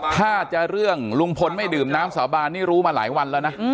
ถ้าจะเรื่องลุงพลไม่ดื่มน้ำสาบานนี่รู้มาหลายวันแล้วนะ